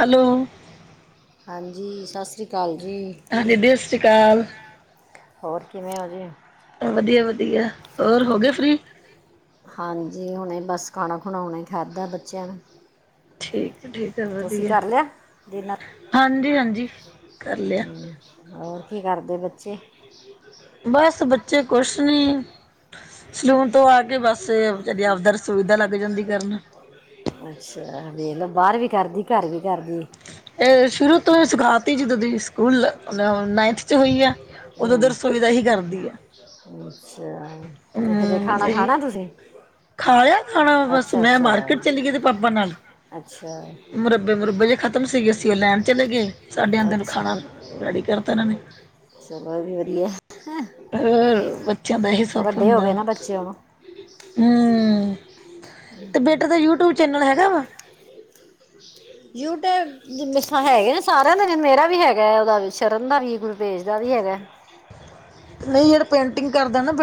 Hello. ਹਾਂਜੀ, ਸਤਿ ਸ਼੍ਰੀ ਅਕਾਲ ਜੀ। ਹਾਂਜੀ ਸਤਿ ਸ਼੍ਰੀ ਕਾਲ। ਹੋਰ ਕਿਵੇਂ ਹੋ ਜੀ। ਵੱਧੀਆ-ਵੱਧੀਆ ਹੋਰ ਹੋ ਗਏ ਫ੍ਰੀ। ਹਾਂਜੀ, ਹੁਣੇ ਬਸ ਖਾਣਾ ਖੁਣਾ ਹੁਣੇ ਹੀ ਖਾਧਾ ਬੱਚਿਆਂ ਨੇ। ਠੀਕ ਹੈ-ਠੀਕ ਹੈ ਤੁਸੀਂ ਵੱਧੀਆ। ਕਰ ਲਿਆ ਡਿਨਰ? ਹਾਂਜੀ-ਹਾਂਜੀ ਕਰ ਲਿਆ। ਹਮ, ਹੋਰ ਕੀ ਕਰਦੇ ਬੱਚੇ। [inaudible] ਬਸ ਬੱਚੇ ਕੁਛ ਨਹੀਂ ਸਲੂਨ ਤੋਂ ਆ ਕੇ ਬਸ ਆਪਦਾ ਰਸੋਈ ਦਾ ਲੱਗ ਜਾਂਦੀ ਕਰਨ, ਅੱਛਾ ਵੇਖ ਲੈ ਬਾਹਰ ਵੀ ਕਰਦੀ ਘਰ ਵੀ ਕਰਦੀ। ਇਹ ਸ਼ੁਰੂ ਤੋਂ ਸਿਖਾ ਤੀ ਸੀ ਜਦੋਂ ਸਕੂਲ ਨਾਈਨਥ 'ਚ ਹੋਈ ਆ। ਉਦੋਂ ਹੂੰ ਰਸੋਈ ਦਾ ਹੀ ਕਰਦੀ ਹੈ। ਅੱਛਾ ਤੇ ਹਜੇ ਖਾਣਾ, ਇਹ ਖਾਣਾ ਤੁਸੀਂ? ਖਾ ਲਿਆ ਖਾਣਾ ਬਸ ਮੈਂ ਮਾਰਕੀਟ ਚਲੀ ਗਈ ਇਹਦੇ ਪਾਪਾ ਨਾਲ। ਮੁਰੱਬੇ ਮੁਰੱਬੇ ਜੇ ਖਤਮ ਸੀਗੇ ਅਸੀਂ ਉਹ ਲੈਣ ਅੱਛਾ-ਅਛਾ। ਰੇਡੀ ਕਰ ਤਾਂ ਏਨਾਨੇ। ਚਲੋ ਵੀ ਵਧੀਆ, ਹੋਰ ਬੱਚਿਆਂ ਦਾ ਇਹੀ ਵੱਡੇ ਹੋ ਗਏ ਨਾ ਬੱਚੇ ਹੁਣ। ਹੂ, ਤੇ ਬੇਟੇ ਦਾ ਯੂਟਿਊਬ ਚੈਨਲ ਹੈਨਾ। ਯੂਟਿਊਬ ਹੈਗੇ ਨੇ ਸਾਰਿਆਂ ਦਾ ਮੇਰਾ ਵੀ ਹੈਗਾ ਉਹਦਾ ਸ਼ਰਨ ਦਾ ਵੀ ਗੁਰੂਦੇਜ ਦਾ ਵੀ ਹੈਗਾ। ਨਹੀਂ ਜਿਹੜੇ ਪੇਟਿੰਗ ਕਰਦੇ ਨਾ ਬ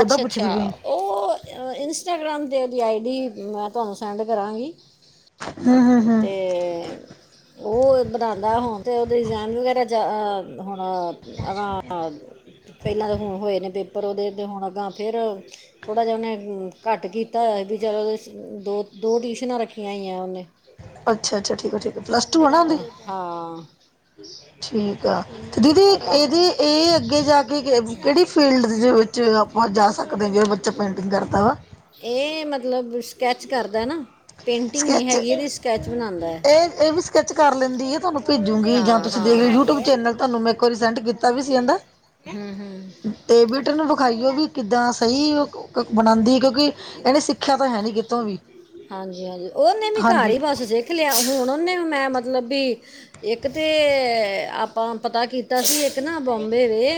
ਅੱਛਾ-ਅੱਛਾ। ਉਹ ਇੰਸਟਾਗ੍ਰਾਮ 'ਤੇ ਉਹਦੀ ਆਈ ਡੀ ਮੈਂ ਤੁਹਾਨੂੰ ਸੈਂਡ ਕਰਾਂਗੀ। ਹੂੰ-ਹੂੰ। ਅਤੇ ਉਹ ਬਣਾਉਂਦਾ ਹੁਣ ਅਤੇ ਉਹਦੇ ਡਿਜ਼ਾਇਨ ਵਗੈਰਾ ਜ ਹੁਣ। ਅਗਾਂ ਪਹਿਲਾਂ ਤਾਂ ਹੁਣ ਹੋਏ ਨੇ ਪੇਪਰ ਉਹਦੇ ਅਤੇ ਹੁਣ ਅੱਗਾਂ ਫੇਰ। ਥੋੜਾ ਜਿਹਾ ਉਹਨੇ ਘਟ ਕੀਤਾ ਹੋਇਆ ਵੀ ਚਲੋ ਦੋ-ਦੋ ਟਿਊਸ਼ਨਾਂ ਰੱਖੀਆਂ ਹੋਈਆਂ ਉਹਨੇ। ਅੱਛਾ ਅੱਚਾ ਠੀਕ ਹੈ ਪਲੱਸ ਤੂੰ ਹੈ ਨਾ ਓਹਦੀ? ਹਾਂ। ਠੀਕ ਆ, ਤੇ ਦੀਦੀ ਅਗਾਂਹ ਇਹਦੇ ਇਹ ਅੱਗੇ ਜਾ ਕੇ ਕਿਹੜੀ ਫੀਲਡ ਚਲੋ, ਆਪਾਂ ਜਾ ਸਕਦੇ ਹਾਂ, ਵੀ ਔ ਬੱਚਾ ਪੇਂਟਿੰਗ ਕਰਦਾ ਵਾ ਇਹ ਮਤਲਬ ਸਕੈਚ ਕਰਦਾ ਨਾ, ਪੇਂਟਿੰਗ ਨੀ ਹੈਗੀ ਇਹਦੀ ਸਕੈਚ ਬਣਾਉਂਦਾ ਹੈ। ਇਹ-ਇਹ ਵੀ ਸਕੈਚ ਕਰ ਲੈਂਦੀ ਹੈ, ਤੁਹਾਨੂੰ ਭੇਜੂਗੀ ਜਾਂ ਹਾਂ ਤੁਸੀਂ ਹਾਂ ਦੇਖ ਹਾਂ ਯੂਟਿਊਬ ਚੈਨਲ ਤੁਹਾਨੂੰ ਮੈਂ ਇੱਕ ਵਾਰੀ ਸੈਂਡ ਕੀਤਾ ਵੀ ਸੀ ਹੈਨਾ। ਹੂੰ ਹੂੰ ਤੇ ਬੇਟੇ ਨੂੰ ਵਿਖਾਈਓ, ਵੀ ਕਿੱਦਾਂ ਸਹੀ ਔ ਬਣਾਉਂਦੀ ਕਿਉ ਕਿਉਂਕਿ, ਇਹਨੇ ਸਿੱਖਿਆ ਤਾਂ ਹੈ ਨੀ ਕਿਤੋਂ ਵੀ ਹਾਂਜੀ-ਹਾਂਜੀ, ਉਹਨੇ ਵੀ ਘਰ ਹਾਂਜੀ ਹੀ ਬਸ ਜੇ ਦੇਖ ਲਿਆ, ਹੁਣ ਉਹਨੇ ਵੀ ਮੈਂ ਮਤਲਬ ਵੀ, ਇੱਕ ਤੇ ਆਪਾਂ ਪਤਾ ਕੀਤਾ ਤਾਂ ਅਸੀਂ ਇੱਕ ਨਾ ਬੰਬੇ ਰਹੇ,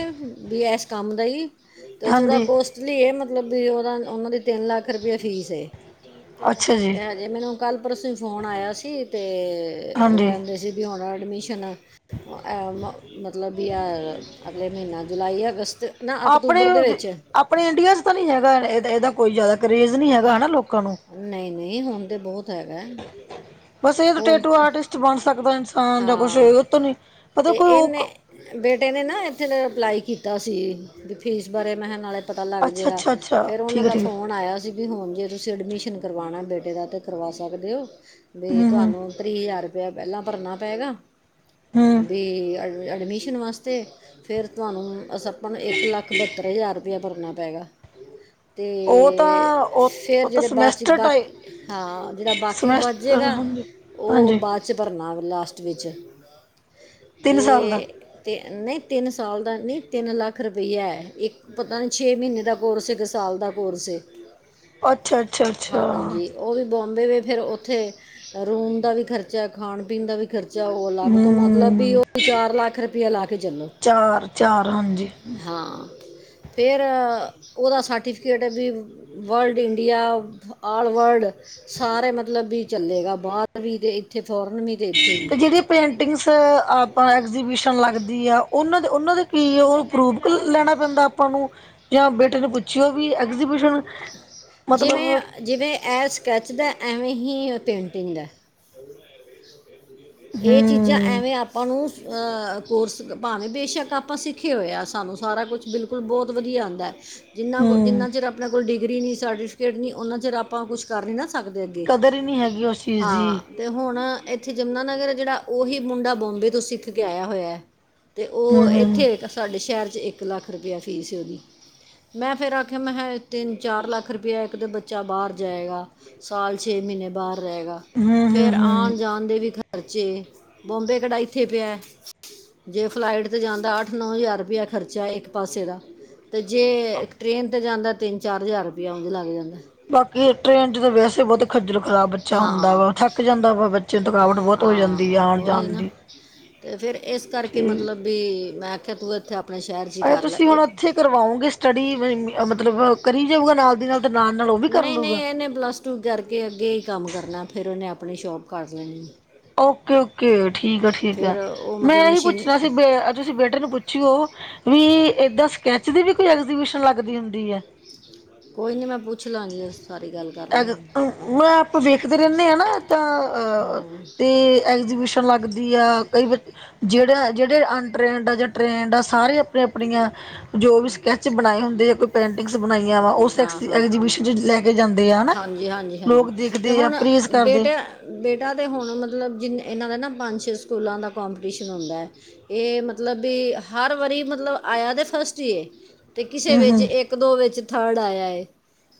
ਬੀ ਇਸ ਕੰਮ ਦਾ ਹੀ, ਅਤੇ ਉਹ ਥੋੜ੍ਹਾ ਹਾਂਜੀ ਕੋਸਟ ਲੀ ਇਹ, ਮਤਲਬ ਵੀ ਉਹਦਾ ਉਹਨਾਂ ਦੀ ਤਿੰਨ ਲੱਖ ਰੁਪਏ ਫੀਸ ਏ। ਅੱਛਾ ਜੀ ਤੇ ਹਜੇ ਮੈਨੂੰ ਕੱਲ ਪਰਸੋਂ ਹੀ ਫੋਨ ਆਇਆ ਸੀ, ਤੇ ਉਹ ਹਾਂਜੀ ਕਹਿੰਦੇ ਸੀ ਤੇ ਹੁਣ ਐਡਮਿਸ਼ਨ, ਐ ਮਤਲਬ ਵੀ ਐ ਅਗਲੇ ਮਹੀਨਾ ਜੁਲਾਈ, ਅਗਸਤ, ਨਾ ਆਪਣੇ ਅਕਤੂਬਰ ਦੇ ਵਿੱਚ। ਆਪਣੇ ਇੰਡੀਆ ਚ ਤਾਂ ਨਹੀਂ ਹੈਗਾ ਇਹ ਦਾ ਕੋਈ ਜ਼ਿਆਦਾ ਕਰੇਜ਼ ਨਹੀਂ ਹੈਗਾ, ਨਾ ਲੋਕਾਂ ਨੂੰ ਨਹੀਂ ਨਹੀਂ ਹੁਣ ਤੇ ਬਹੁਤ ਹੈਗਾ ਹੈ। ਬਸ ਇਹ ਹੁਣ ਟੇਟੂ ਤੇ- ਆਰਟਿਸਟ ਬਣ ਸਕਦਾ ਇਨਸਾਨ, ਜਾਂ ਕੁਛ ਹੋ ਉਹ ਹਾਂ ਤੋਂ ਨੀ, ਅਤੇ ਮਤਲਬ ਕੋਈ ਇਹਨੇ ਬੇਟੇ ਨੇ ਨਾ ਇੱਥੇ ਅਪਲਾਈ ਕੀਤਾ ਸੀ, ਵੀ ਫੀਸ ਬਾਰੇ ਮੈਂ ਕਿਹਾ ਨਾਲੇ ਪਤਾ ਲੱਗ ਅੱਛਾ ਜਏਗਾ, ਅੱਛਾ ਅੱਛਾ ਫੇਰ ਉਹਨਾਂ ਠੀਕ ਹੈ ਦਾ ਠੀਕ ਹੈ ਬਣਾਯਾ ਸੀ, ਵੀ ਹੁਣ ਜੇ ਤੁਸੀਂ ਐਡਮਿਸ਼ਨ ਕਰਵਾਉਣਾ ਬੇਟੇ ਦੇ ਤਾਂ ਕਰਵਾ ਸਕਦੇ ਹੋ, ਤੇ ਹਮ ਹਮ ਤੁਹਾਨੂੰ ਥ੍ਰੀ ਹਜ਼ਾਰ ਰੁਪਇਆ ਪਹਿਲਾਂ ਭਰਨਾ ਪਏਗਾ, ਹਮ ਵੀ ਏਡਮਿਸ਼ਨ ਐਡਮਿਸ਼ਨ ਵਾਸਤੇ, ਫਿਰ ਤੁਹਾਨੂੰ ਅਸੀ ਆਪਾਂ ਨੂੰ ਇੱਕ ਲੱਖ ਬਹੱਤਰ ਹਜ਼ਾਰ ਭਰਨਾ ਪਏਗਾ, ਉਹ ਤਾਂ ਤੇ ਉਹ ਫੇਰ ਉਹ ਤਾਂ ਜਿਹੜੇ ਬਾਅਦ ਚ ਸਮੈਸਟਰ ਟਾਈ ਬਾਕੀ ਹਾਂ ਜਿਹੜਾ ਬਾਕੀ ਬਚ ਸਮੈਸਟਰ ਜੇਗਾ, ਹਾਂਜੀ ਉਹ ਹਾਂਜੀ ਬਾ ਬਸ ਭਰਨਾ ਵੈ, ਲਾਸਟ ਵਿੱਚ, ਤਿੰਨ ਸਾਲ ਦਾ ਤੇ ਤੇ ਨਹੀਂ ਤਿੰਨ ਸਾਲ ਦਾ, ਨਹੀਂ ਤਿੰਨ ਲੱਖ ਰੁਪਈਆ ਹੈ, ਇੱਕ ਪਤਾ ਨਹੀਂ ਛੇ ਮਹੀਨੇ ਦਾ ਕੋਰਸ ਹੈ, ਕੇ ਸਾਲ ਦਾ ਕੋਰਸ ਹੈ। ਅੱਛਾ-ਅੱਛਾ। ਅੱਛਾ ਉਹ ਵੀ ਬੋਂਬੇ ਵੇ, ਫਿਰ ਔਥੇ ਰੂਮ ਦਾ ਵੀ ਖਰਚਾ, ਖਾਣ ਪੀਣ ਦਾ ਵੀ ਖਰਚਾ। ਚੋ ਔ ਅਲਗ, ਤੋਂ ਮਤਲਬ ਵੀ ਹੂੰ ਉਹ ਚਾਰ ਲੱਖ ਰੁਪਇਆ ਲਾ ਕੇ ਚੱਲੋ। ਚਾਰ ਚਾਹ ਰਾਮ ਜੀ ਫੇਰ ਉਹਦਾ ਸਰਟੀਫਕੇਟ ਵੀ, ਵਰਲਡ ਇੰਡੀਆ ਆਲ ਵਰਲਡ ਸਾਰੇ ਮਤਲਬ ਵੀ ਚੱਲੇਗਾ, ਬਾਹਰ ਵੀ ਤੇ ਇੱਥੇ ਫੋਰਨ ਵੀ ਪੇਠੇ ਤੇ ਵਿਚ ਜਿਹੜੀ ਐ ਪੇਂਟਿੰਗਸ ਆਪਾਂ ਐਗਜੀਬਿਸ਼ਨ ਲੱਗਦੀ ਆ ਉਹਨਾਂ ਦੇ ਉਹਨਾਂ ਦੇ ਕੀ ਆ ਉਹਨੂੰ ਪਰੂਵ ਲੈਣਾ ਪੈਂਦਾ ਆਪਾਂ ਨੂੰ ਜਾਂ ਬੇਟੇ ਨੂੰ ਪੁੱਛਿਓ ਵੀ ਐਗਜੀਬਿਸ਼ਨ ਜਿਵੇਂ ਮਤਲਬ ਜਿਵੇਂ ਇਹ ਸਕੈੱਚ ਦਾ ਐਵੇਂ ਹੀ ਪੇਂਟਿੰਗ ਦਾ। ਇਹ ਚੀਜ਼ਾਂ ਜਾਂ ਹੂੰ ਐਵੇਂ ਆਪਾਂ ਨੂੰ ਕੋਰਸ, ਭਾਵੇਂ ਬੇਸ਼ੱਕ ਆਪਾਂ ਸਿੱਖੇ ਹੋਏ ਆ, ਸਾਨੂੰ ਸਾਰਾ ਕੁਛ ਬਿਲਕੁਲ ਔ ਬਹੁਤ ਵਧੀਆ ਆਉਂਦਾ ਹੈ। ਜਿੰਨਾਂ ਕੋਲ ਜਿੰਨਾ ਹੂੰ ਚਿਰ ਆਪਣੇ ਕੋਲ ਡਿਗਰੀ ਨਹੀਂ, ਸਰਟੀਫਿਕੇਟ ਨਹੀਂ, ਉਹਨਾਂ ਚਿਰ ਆਪਾਂ ਕੁਛ ਕਰ ਰਹੇ ਨਾ ਥੱਕ ਦੇ ਅੱਗੇ ਕਦਰ ਹੀ ਨਹੀਂ ਹੈਗੀ ਉਸ ਚੀਜ਼ ਦੀ ਹਾਂ। ਤੇ ਹੁਣ ਇੱਥੇ ਯਮੁਨਾ ਨਗਰ ਜਿਹੜਾ, ਉਹੀ ਮੁੰਡਾ ਬੋਂਬੇ ਤੋਂ ਸਿੱਖ ਕੇ ਆਇਆ ਹੋਇਆ ਹੈ। ਤੇ ਹੂੰ ਉਹ ਹੂੰ ਇੱਥੇ, ਸਾਡੇ ਸ਼ਹਿਰ ਚ ਇੱਕ ਲੱਖ ਰੁਪਇਆ ਫੀਸ ਐ ਉਹਦੀ। ਮੈਂ ਫਿਰ ਆਖਿਆ ਮੈਂ ਕਿਹਾ ਤਿੰਨ ਚਾਰ ਲੱਖ ਰੁਪਇਆ, ਇੱਕ ਤੇ ਬੱਚਾ ਬਾਹਰ ਜਾਏਗਾ। ਸਾਲ ਛੇ ਮਹੀਨੇ ਬਾਹਰ ਰਹੇਗਾ। ਹੂ ਫੇਰ ਆਉਣ ਜਾਣ ਦੇ ਵੀ ਖ਼ਰਚੇ, ਬੋਂਬੇ ਕੇੜਾ ਇਥੇ ਪਿਆ ਐ। ਜੇ ਫਲਾਈਟ ਤੇ ਜਾਂਦਾ ਅੱਠ ਨੌ ਹਜ਼ਾਰ ਰਪਇਆ ਖਰਚਾ ਇੱਕ ਪਾਸੇ ਦਾ ਤੇ ਜੇ ਟ੍ਰੇਨ ਤੇ ਜਾਂਦਾ ਤਿੰਨ ਚਾਰ ਹਜ਼ਾਰ ਰੁਪਇਆ ਉਹਝ ਲੱਗ ਜਾਂਦਾ ਬਾਕੀ ਟ੍ਰੇਨ ਚ ਤਾਂ ਵੈਸੇ ਬਹੁਤ ਖੱਜਲ ਖ਼ਰਾਬ ਬੱਚਾ ਹੁੰਦਾ ਹਾਂ। ਵਾ ਥੱਕ ਜਾਂਦਾ ਵਾ ਬ ਚਿੰ ਥਕਾਵਟ ਬਹੁਤ ਹੋ ਜਾਂਦੀ ਹੈ ਹਾਂ ਆਉਣ ਉਹੀ ਜਾਣ ਨਾ ਦੀ ਤੇ ਫੇਿਰ ਇਸ ਕਰਕੇ ਠੀਕ ਮਤਲਬ ਵੀ ਮੈਂ ਆਖਿਆ ਤੂੰ ਇੱਥੇ ਆਪਣੇ ਸ਼ਹਿਰ 'ਚ ਹੀ ਅ ਕਰ ਲੈ ਤੁਸੀਂ ਹੁਣ ਇਹ ਇੱਥੇ ਕਰਵਾਓਗੇ ਸਟੱਡੀ ਮਤਲਬ ਕਰੀ ਜਾਊਗਾ ਨਾਲ ਦੀ ਨਾਲ ਤੇ ਨਾਲ ਨਾਲ ਉਹ ਵੀ ਕਰ ਨਹੀਂ ਨਹੀਂ ਲੂਗਾ। ਇਹਨੇ ਪਲੱਸ ਟੂ ਕਰਕੇ ਅੱਗੇ ਹੀ ਕੰਮ ਕਰਨਾ ਫਿਰ ਉਹਨੇ ਆਪਣੀ ਸ਼ੋਪ ਕਰਢ ਲੈਣੀ ਓਕੇ ਓਕੇ ਠੀਕ ਆ ਠੀਕ ਆ ਫਿਰ ਉਹ ਮੈਂ ਮਤਲਬ ਇਹੀ ਮਸ਼ੀਨ ਪੁੱਛਣਾ ਸੀ ਬੇ ਤੁਸੀਂ ਬੇਟੇ ਨੂੰ ਪੁੱਛਿਓ ਵੀ ਏਦਾਂ ਸਕੈਚ ਦੀ ਵੀ ਕੋਈ ਐਗਜੀਬਿਸ਼ਨ ਲੱਗਦੀ ਹੁੰਦੀ ਹੈ। ਕੋਈ ਨੀ ਮੈਂ ਪੁੱਛ ਲਾਂਗੀ ਸਾਰੀ ਗੱਲ ਕਰ ਐ ਲਾਂਗੀ ਮ ਆਪ ਵੇਖਦੇ ਰਹਿੰਦੇ ਹ ਨਾ ਹਾਂ ਤਾਂ ਤੇ ਐਗਜੀਬਿ ਪੁੱਣ ਲੱਗਦੀ ਆ ਕਈ ਬੱਚ ਜਿਹੜੇ ਜਹੜੇ ਅਨਟਰੇਨਡ ਆ ਜਾਂ ਟ੍ਰੇਨਡ ਆ ਸਾਰੀਆਂ ਆਪੀਆਂ ਆਪਣੀਆਂ ਜੋ ਵੀ ਸਕੈਚ ਬਣਾਏ ਹੁੰਦੇ ਜਾਂ ਕੋਈ ਪੇਂਟਿੰਗਸ ਬਣਾਈਆਂ ਵਾ ਉਸਿ ਹਾਂ ਹਾਂ ਲੈ ਕੇ ਜਾਂਦੇ ਆ ਹਨਾ ਹਾਂਜੀ ਹਾਂਜੀ ਹਾਂਜੀ ਲੋਕ ਤੇ ਦੇਖਦੇ ਆ ਹੁਣ ਪਰਹੇਜ਼ ਕਰਦੇ ਬੇਟਾ ਬੇਟਾ ਤਾਂ ਹੁਣ ਮਤਲਬ ਜਿੰਨ ਇਹਨਾਂ ਦਾ ਨਾ ਪੰਜ ਛੇ ਸਕੂਲਾਂ ਦਾ ਕੰੋਂਪੀਟੀਸ਼ਨ ਹੁੰਦਾ ਇਹ ਮਤਲਬ ਵੀ ਹਰ ਵਾਰੀ ਮਤਲਬ ਆਇਆ ਤਾਂ ਫਸਟ ਕਿਸੇ ਹੂੰ ਵਿੱਚ ਹੂੰ ਇੱਕ ਦੋ ਵਿੱਚ ਥਰਡ ਆਇਆ ਹੈ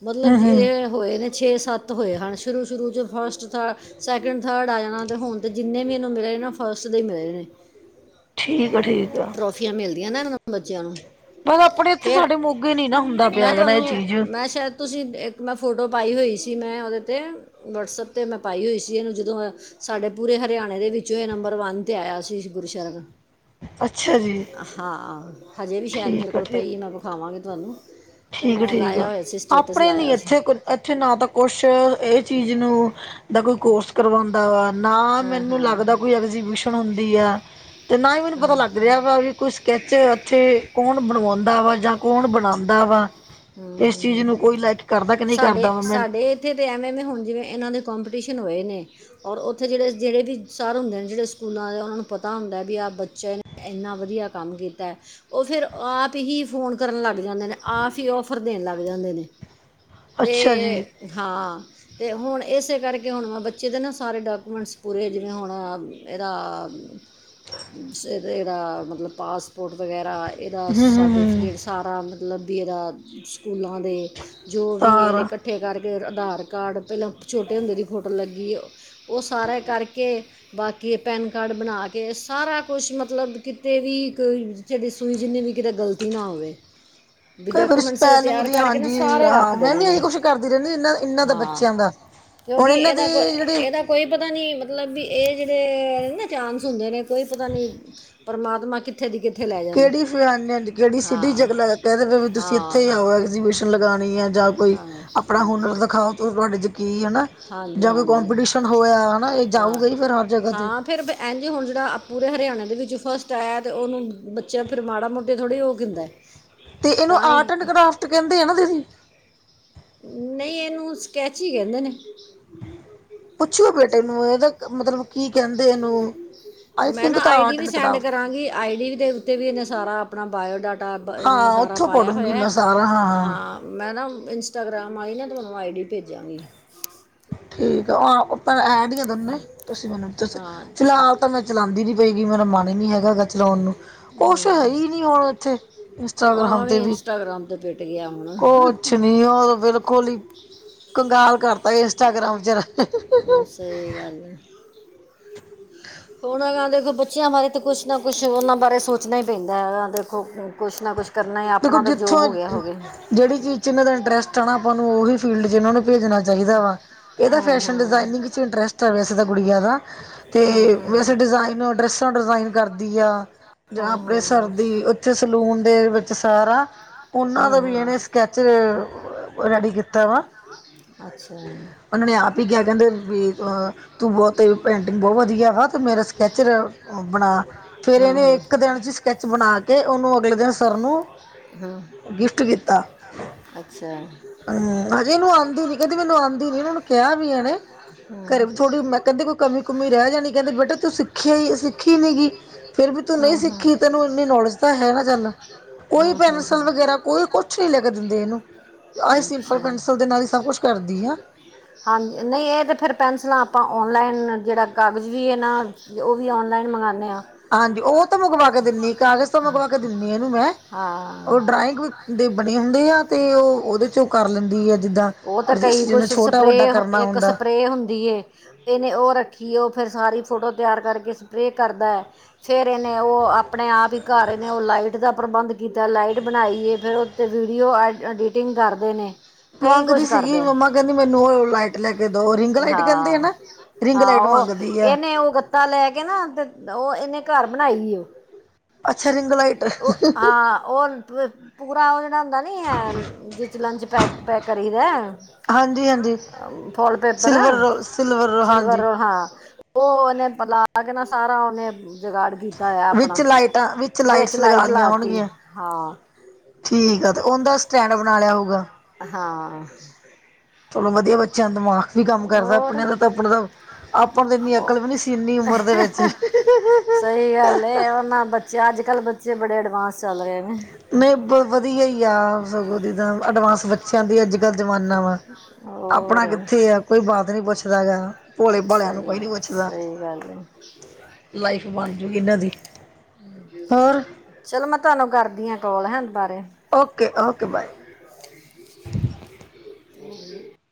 ਮਤਲਬ ਹੂੰ ਹੂੰ ਇਹ ਹੋਏ ਨੇ ਛੇ ਸੱਤ ਹੋਏ ਹਨ ਸ਼ੁਰੂ ਸ਼ੁਰੂ ਚ ਫਸਟ ਥਡ ਸੈਕਿੰਡ ਥਰਡ ਆ ਜਾਣਾ ਤੇ ਹੁਣ ਤੇ ਜਿੰਨੇ ਵੀ ਇਹਨੂੰ ਮਿਲੇ ਨਾ ਫਸਟ ਦੇ ਮਿਲੇ ਨੇ ਠੀਕ ਆ ਠੀਕ ਆ ਟਰੋਫੀਆਂ ਮਿਲਦੀਆਂ ਨਾ ਇਹਨਾਂ ਬੱਚਿਆਂ ਨੂੰ ਪਰ ਆਪਣੇ ਇੱਥੇ ਫਿਰ ਸਾਡੇ ਮੋਗੇ ਨੀ ਨਾ ਹੁੰਦਾ ਪਿਆ ਮੈਂ ਹੈਗਾ ਨਾ ਇਹ ਤੁਹਾਨੂੰ ਚੀਜ਼ ਮੈਂ ਸ਼ਾਇਦ ਤੁਸੀਂ ਇੱਕ ਮੈਂ ਫੋਟੋ ਪਾਈ ਹੋਈ ਸੀ ਮੈਂ ਉਹਦੇ 'ਤੇ ਵਟਸਐਪ 'ਤੇ ਮੈਂ ਪਾਈ ਹੋਈ ਸੀ ਇਹਨੂੰ ਜਦੋਂ ਸਾਡੇ ਪੂਰੇ ਹਰਿਆਣੇ ਦੇ ਵਿੱਚੋਂ ਹੀ ਨੰਬਰ ਵੰਨ ਤੇ ਆਇਆ ਸੀ ਗੁਰਸਰਬ ਅੱਛਾ ਜੀ ਹਾਂੋ ਹਜੇ ਵੀ ਸ਼ਾਇਦ ਮੇਰੇ ਠੀਕ ਆ ਕੋਲ ਠੀਕ ਪਈ ਮੈਂ ਵਿਖਾਵਾਂਗੀ ਤੁਹਾਨੂੰ ਤੇ ਠੀਕ ਮੈਂ ਠੀਕ ਆ ਲਾਇਆ ਹੋਇਆ ਸੀ ਸਟੇਟਸ ਆਪਣੇ ਨੀ ਲਾਇਆ ਸੀ ਇੱਥੇ ਕੁ ਇੱਥੇ ਨਾ ਤਾਂ ਕੁਛ ਇਹ ਚੀਜ਼ ਨੂੰ ਦਾ ਕੋਈ ਕੋਰਸ ਕਰਵਾਉਂਦਾ ਵਾ ਨਾ ਹਾਂ ਮੈਨੂੰ ਹਾਂ ਲੱਗਦਾ ਕੋਈ ਐਗਜੀਬਿਸ਼ਨ ਹੁੰਦੀ ਆ ਤੇ ਨਾ ਹੀ ਮੈਨੂੰ ਪਤਾ ਲੱਗ ਰਿਹਾ ਵਾ ਵੀ ਕੋਈ ਸਕੈਚ ਇੱਥੇ ਕੌਣ ਬਣਵਾਉਂਦਾ ਵਾ ਜਾਂ ਕੌਣ ਬਣਾਉਂਦਾ। ਦਾ ਵਾ ਇਸ ਚੀਜ਼ ਨੂੰ ਕੋਈ ਲਾਈਕ ਕਰਦਾ ਕਿ ਨਹੀਂ ਸਾਡੇ ਕਰਦਾ ਵਾ ਮੈਂ ਸਾਡੇ ਇੱਥੇ ਐਏ ਹੁਣ ਜਿਵੇਂ ਇਹਨਾਂ ਦੇ ਕੋਂਪੀਟੀਸ਼ਨ ਹੋਏ ਨੇ ਔਰ ਉੱਥੇ ਜਿਹੜੇ ਜਿਹੜੇ ਵੀ ਸਰ ਹੁੰਦੇ ਨੇ ਜਿਹੜੇ ਸਕੂਲਾਂ ਦੇ ਉਹਨਾਂ ਨੂੰ ਪਤਾ ਹੁੰਦਾ ਵੀ ਆਹ ਬੱਚੇ ਇੰਨਾ ਵਧੀਆ ਕੰਮ ਕੀਤਾ ਉਹ ਫੇਿਰ ਆਪ ਹੀ ਫੋਨ ਕਰਨ ਲੱਗ ਜਾਂਦੇ ਨੇ ਆਪ ਹੀ ਉਹ ਔਫਰ ਦੇਣ ਲੱਗ ਜਾਂਦੇ ਨੇ ਅੱਛਾ ਜੀ ਤੇ ਹਾਂ ਤੇ ਹੁਣ ਇਸੇ ਕਰਕੇ ਹੁਣ ਬੱਚੇ ਦੇ ਨਾ ਸਾਰੇ ਡਾਕੂਮੈਂਟਸ ਪੂਰੇ ਜਿਵੇਂ ਹੁਣ ਇਹਦਾ ਜੈਹੜਾ ਮਤਲਬ ਪਾਸ ਸਪੋਰਟ ਵਗੈਰਾ ਇਹਦਾ ਹੂੰ ਹੂੰ ਹੂੰ ਸਰਟੀਫਿਕੇਟ ਸਾਰਾ ਮਤਲਬ ਵੀ ਇਹਦਾ ਸਕੂਲਾਂ ਦੇ। ਜੋ ਵੀ ਇਹਦੇ ਸਾਰਾ ਇਕੱਠੇ ਕਰਕੇ ਆਧਾਰ ਕਾਰਡ ਪਹਿਲਾਂ ਛੋਟੇ ਹੁੰਦੇ ਦੀ ਫੋਟੋ ਲੱਗੀ। ਉਹ ਸਾਰਾ ਕਰਕੇ ਬਾਕੀ ਪੈਨ ਕਾਰਡ ਬਣਾ ਕੇ ਸਾਰਾ ਕੁਛ ਮਤਲਬ ਕਿਤੇ ਵੀ ਕੋਈ ਛੇਡੀ ਸੂਈ ਜਿੰਨੀ ਵੀ ਕਿਤੇ ਗ਼ਲਤੀ ਨਾ ਹੋਵੇ ਵੀਡ ਕਈ ਵਾਰੀ ਸਪੈਲਿੰਗ ਤਿਆਰ ਦੀ ਕਰਕੇ ਨਾ ਹਾਂਜੀ ਸਾਰੇ ਹਾਂ ਰੱਖਦੇ ਮੈਂ ਵੀ ਨੇਨੇ ਇਹੀ ਕੁਛ ਕਰਦੀ ਰਹਿੰਦੀ ਇਹਨਾਂ ਇਹਨਾਂ ਦਾ ਹਾਂ ਬੱਚਿਆਂ ਦਾ ਹੁਣ ਕਿਉਂਕਿ ਦੇ ਇਹਨਾਂ ਕੋ ਜਿਹੜੇ ਇਹਨਾਂ ਕੋਈ ਪਤਾ ਨੀ ਮਤਲਬ ਵੀ ਇਹ ਜਿਹੜੇ ਨਾ ਚਾਂਸ ਹੁੰਦੇ ਨੇ ਕੋਈ ਪਤਾ ਨੀ ਪਰਮਾਤਮਾ ਕਿੱਥੇ ਦੀ ਕਿ ਕਿਹੜੀ ਫ ਕਿਹੜੀ ਸਿਟੀ ਜਗਹਿ ਦੇ ਵੀ ਤੁਸੀਂ ਹਾਂ ਇੱਥੇ ਆਓ ਐਿ ਲਗਾਣੀ ਹੈ ਜਾਂ ਕੋਈ ਹਾਂ ਆਪਣਾ ਹੁਨਰ ਦਿਖਾਓ ਤੁਹਾਡੇ ਚ ਕੀੀ ਹੈਾ ਹਾਂਜੀ ਜਾਂ ਕੋਈ ਹਾਂਜੀ ਕੋਂਪੀਟੀਸ਼ਨ ਹੋਇਆ ਹਨਾ ਇਹ ਜਾਊਗੀ ਫੇਿਰ ਹਰ ਜਗ੍ਹਾ ਤੇ ਇਂ ਜੀ ਹੁਣ ਜਿਹੜਾ ਪੂਰੇ ਹਰਿਆਣੇ ਦੇ ਵਿੱਚ ਫਸਟ ਆਇਆ ਤੇ ਉਹਨੂੰ ਬੱਚੇ ਨੂੰ ਫਿਰ ਮਾੜਾ ਮੋਟੇ ਥੋੜ੍ਹੀ ਉਹ ਕਹਿੰਦਾ। ਤੇ ਇਹਨੂੰ ਤਾਂ ਹੀ ਆਰਟ ਐਂਡ ਕਰਾਫਟ ਕਹਿੰਦੇ ਆ ਨਾ ਦੀਦੀ। ਨਹੀਂ ਇਹਨੂੰ ਸਕੈਚ ਹੀ ਕਹਿੰਦੇ ਨੇ ਪੁੱਛਿਓ ਬੇਟੇ ਨੂੰ ਇਹਦਾ ਮਤਲਬ ਕੀ ਕਹਿੰਦੇ ਇਹਨੂੰ। ਆਈ ਮੈਂ ਨਾ ਥਿੰਕ ਤਾਂ ਆਈ ਡੀ ਆਰਟ ਵੀ ਐਂਡ ਸੈਂਡ ਕਰਾਫਟ ਕਰਾਂਗੀ ਆਈ ਡੀ ਦੇ ਉੱਤੇ ਵੀ ਇਹਨੇ ਸਾਰਾ ਆਪਣਾ ਬਾਇਓਡਾਟਾ। ਟਾ ਇਹਨੇ ਹਾਂ ਸਾਰਾ ਉੱਥੋਂ ਪਾਇਆ ਪੜੂੰਗੀ ਹੋਇਆ ਮੈਂ ਸਾਰਾ ਹਾਂ। ਮੈਂ ਨਾ ਇੰਸਟਾਗ੍ਰਾਮ ਆਈ ਨਾ ਤੁਹਾਨੂੰ ਆਈ ਡੀ ਭੇਜਾਂਗੀ। ਠੀਕ ਆ ਔ ਆਪਾਂ ਐਂਡ ਆ ਦੋਨੇ ਤੁਸੀਂ ਮੈਨੂੰ। ਹਾਂ ਫਿਲਹਾਲ ਤਾਂ ਮੈਂ ਚਲਾਉਦੀ ਨੀ ਪਏਗੀ ਮੇਰਾ ਮਨ ਹੀ ਨਹੀਂ ਹੈਗਾ ਚਲਾਉਣ ਨੂੰ। ਕੁਛ ਹੈ ਹੀ ਨਹੀਂ ਹੁਣ ਇੱਥੇ ਇੰਸਟਾਗ੍ਰਾਮ ਤੇ ਵੀ। ਇੰਟਾਗਰਾਮ ਤੇ ਪੀਟ ਗਿਆ ਹੁਣ। ਕੁਛ ਨੀ ਬਿਲਕੁਲ ਹੀ ਕੰਗਾਲ ਕਰਤਾ ਇੰਸਟਾਗ੍ਰਾਮ ਚਿਰ। ਹ ਸਹੀ ਗੱਲ ਆ ਹੋਣ ਗੱਲ ਦੇਖੋ ਬੱਚਿਆਂ ਬਾਰੇ ਤਾਂ ਕੁਛ ਨਾ ਕੁਛ ਉਹਨਾਂ ਬਾਰੇ ਸੋਚਣਾ ਹੀ ਪੈਂਦਾ ਹੈ ਦੇਖੋ ਕੁਛ ਨਾ ਕੁਛ। ਕਰਨਾ ਦੇਖੋ ਆਪਣਾ ਤਾਂ ਜੋ ਜਿੱਥੋਂ ਹੋ ਗਿਆ ਹੋ ਗਿਆ। ਜਿਹੜੀ ਚੀਜ਼ ਚ ਇਹਨਾਂ ਦਾ ਇੰਟਰਸਟ ਆ ਨਾ ਆਪਾਂ ਨੂੰ ਉਹੀ ਫੀਲਡ ਚ ਇਹਨਾਂ ਨੂੰ। ਭੇਜਣਾ ਚਾਹੀਦਾ ਵਾ ਇਹਦਾ ਹਾਂ ਫੈਸ਼ਨ ਹਾਂ ਡਿਜਾਇਨਿੰਗ ਚ ਇੰਟਰਸਟ ਆ ਵੈਸੇ ਤਾਂ ਗੁੜੀਆ ਦਾ। ਹਾਂ ਹਾਂ ਤੇ ਵੈਸੇ ਡਿਜ਼ਾਇਨਰ ਡਰੈਸਾਂ ਡਿਜ਼ਾਇਨ ਕਰਦੀ ਆ ਜਾਂ ਹਾਂ ਆਪਣੇ ਸਰ ਹਾਂ ਦੀ ਉਥੇ ਸਲੂਨ ਦੇ ਵਿੱਚ ਸਾਰਾ ਉਹਨਾਂ ਹਾਂ ਦਾ ਵੀ ਹਾਂ ਇਹਨੇ ਸਕੈਚ। ਰੈਡੀ ਕੀਤਾ ਵਾ। ਅੱਛਾ ਜੀ। ਉਹਨਾਂ ਨੇ ਆਪ ਹੀ ਕਿਹਾ ਕਹਿੰਦੇ ਵੀ ਤੂੰ ਬਹੁਤ ਪੇਂਟਿੰਗ ਬਹੁਤ ਵਧੀਆ ਵਾ ਤੇ ਮੇਰਾ ਸਕੈਚਰ। ਬਣਾ ਫੇਰ ਹਾਂ ਇਹਨੇ ਹਾਂ ਇੱਕ ਦਿਨ ਚ ਸਕੈਚ ਬਣਾ ਕੇ ਉਹਨੂੰ ਅਗਲੇ ਦਿਨ। ਅਨੂੰ। ਹਾਂ ਅੱਛਾ। ਇਕ ਦਿਨ ਇਨਾਂ ਨੂੰ ਕਿਹਾ ਵੀ ਇਹਨੇ ਹਾਂ ਘਰੇ ਥੋੜੀ ਮੈਂ ਕਹਿੰਦੇ ਕੋਈ ਕਮੀ ਕੁਮੀ ਰਹਿ ਜਾ ਨੀ ਕਹਿੰਦੇ ਬੇਟੇ ਤੁੱਸੀ। ਸਿੱਖਿਆ ਸਿੱਖੀ ਨੀ ਗੀ ਫੇਰ ਵੀ ਤੂੰ ਹਾਂ ਨਹੀਂ ਸਿੱਖੀ ਹਾਂ ਤੈਨੂੰ ਇੰਨੀ ਨੌਲੇਜ ਤਾਂ ਹੈ ਨਾ ਚੱਲ। ਕੋਈ ਹਾਂ ਪੈਨਸਿਲ ਵਗੈ। ਹਾਂ ਕੋਈ ਕੁਛ ਨਹੀਂ ਲੈ ਕੇ ਦਿੰਦੇ ਇਹਨੂੰ ਆਹੀ ਸਿੰਪਲ ਅੱਛਾ ਪੈਨਸਲ ਦੇ ਨਾਲ ਹੀ ਸਭ ਕੁਛ ਕਰਦੀ ਆ। ਹਾਂਜੀ ਨਹੀਂ ਇਹ ਤਾਂ ਫਿਰ ਪੈਨਸਿਲਾਂ ਆਪਾਂ ਔਨਲਾਈਨ ਜਿਹੜਾ ਕਾਗਜ਼ ਵੀ ਇਹ ਨਾ। ਉਹ ਵੀ ਔਨਲਾਈਨ ਮੰਗਾਉਂਦੇ ਹਾਂ। ਹਾਂਜੀ ਉਹ ਤਾਂ ਮੰਗਵਾ ਕੇ ਦਿੰਨੀ ਕਾਗਜ਼ ਤੋਂ ਮੰਗਵਾ ਕੇ ਦਿੰਦੀ ਇਹਨੂੰ ਮੈਂ ਹਾਂ ਉਹ ਡਰਾਇੰਗ। ਦੇ ਬਣੇ ਹੁੰਦੇ ਆ ਤੇ ਉਹ ਉਹਦੇ ਚੋਂ ਕਰ ਲੈਂਦੀ ਆ ਜਿੱਦਾਂ। ਉਹ ਤਾਂ ਅਡਜਸਟ ਕਈ ਜਿਨੂੰ ਕੁਛ ਛੋਟਾ ਸਪਰੇ ਵੱਡਾ ਕਰਨਾ ਇੱਕ ਹੁੰਦਾ ਸਪਰੇ ਹੁੰਦੀ। ਇਹਨੇ ਉਹ ਰੱਖੀ ਏ ਉਹ ਫਿਰ ਸਾਰੀ ਫੋਟੋ ਤਿਆਰ ਕਰਕੇ ਸਪਰੇਅ ਕਰਦਾ ਹੈ। ਫਿਰ ਇਹਨੇ ਉਹ ਆਪਣੇ ਆਪ ਹੀ ਘਰ ਇਹਨੇ ਉਹ ਲਾਈਟ ਦਾ ਪ੍ਰਬੰਧ ਕੀਤਾ ਲਾਈਟ ਬਣਾਈਏ ਫਿਰ ਉਹ ਅਤੇ ਵੀਡੀਓ ਐਡ ਐਡੀਟਿੰਗ ਕਰਦੇ ਨੇ ਕਈ ਮੰਗਦੀ ਕੁਛ ਸੀਗੀ ਕਰਦਾ ਮੰਮਾ ਕਹਿੰਦੀ ਮੈਨੂੰ ਉਹ ਲਾਈਟ ਲੈ ਕੇ ਦਓ ਰਿੰਗ ਲਾਈਟ ਕਹਿੰਦੇ ਆ ਹਾਂ ਨਾ ਰਿੰਗ ਹਾਂ ਲਾਈਟ ਉਹ ਮੰਗਦੀ ਆ ਇਹਨੇ ਉਹ ਗੱਤਾ ਲੈ ਕੇ ਨਾ, ਤੇ ਉਹ ਇਹਨੇ ਘਰ ਬਣਾਈ ਅੱਛਾ ਰਿੰਗ ਲਾਈਟ ਉਹ ਹ ਓਨ ਪੂਰਾ ਉਹ ਜਿਹੜਾ ਹੁੰਦਾ ਨੀ ਹੈ ਜਿਸ ਲੰਚ ਪੈਕ ਪੈਕ ਕਰੀਦਾ। ਹਾਂਜੀ ਹਾਂਜੀ foil paper silver roll silver roll silver ਹਾਂਜੀ ਹਾਂ। ਉਹ ਉਹਨੇ ਪਲਾ ਕੇ ਨਾ ਸਾਰਾ ਉਹਨੇ ਜਗਾੜ ਵੀ ਕੀਤਾ। ਆਪਣਾ ਵਿੱਚ ਲਾਈਟਾਂ ਵਿੱਚ ਲਾਈਟਸ ਲਗਾ ਲਾਈਟ ਲਈਆਂ ਲਾਤੀ ਹੋਣਗੀਆਂ ਹਾਂ। ਠੀਕ ਆ ਤੇ ਉਹਦਾ ਸਟੈਂਡ ਬਣਾ ਲਿਆ ਹੋਊਗਾ। ਹਾਂ। ਚਲੋ ਵਧੀਆ ਬੱਚਿਆਂ ਦਿਮਾਗ ਵੀ ਕੰਮ ਕਰਦਾ ਹੋਰ ਆਪਣੇ ਦਾ ਤਾਂ ਆਪਣਾ ਦਾ। ਆਪਾਂ ਨੂੰ ਤਾਂ ਇੰਨੀ ਅਕਲ ਵੀ ਨਹੀਂ ਸੀ ਇੰਨੀ ਉਮਰ ਦੇ ਵਿੱਚ। ਉਹ ਨਾ ਬੱਚੇ ਅੱਜ ਕੱਲ੍ਹ ਬੱਚੇ ਬੜੇ ਐਡਵਾਂਸ ਚੱਲ ਰਹੇ ਨੇ। ਨਹੀਂ ਵਧੀਆ ਹੀ ਆ ਸਗੋਂ ਦੀ। ਦ ਅਡਵਾਂਸ ਬੱਚਿਆਂ ਦੀ ਅੱਜ ਕੱਲ ਜਮਾਨਾ ਵਾ ਹੋਰ ਆਪਣਾ ਕਿੱਥੇ ਆ ਕੋਈ ਬਾਤ ਨੀ ਪੁੱਛਦਾ ਹੈ ਗਾ। ਭੋਲੇ ਭਾਲਿਆਂ ਨੂੰ ਸਹੀ ਕੋਈ ਨੀ ਪੁੱਛਦਾ ਸਹੀ ਗੱਲ ਹੈ ਲਾਈਫ ਬਣਜੂਗੀ ਇਹਨਾਂ ਦੀ ਹੋਰ ਚਲ ਮੈਂ ਤੁਹਾਨੂੰ ਕਰਦੀ ਆ ਕੋਲ ਹੈਣ ਬਾਰੇ ਓਕੇ ਓਕੇ ਬਾਏ ਹਮ